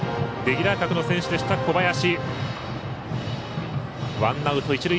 レギュラー格の選手でした小林。